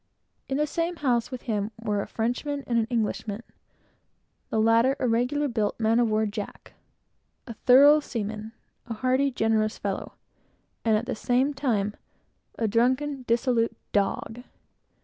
In the same house with him was a Frenchman and an Englishman; the latter a regular built "man of war Jack;" a thorough seaman; a hearty, generous fellow; and, at the same time, a drunken, dissolute dog.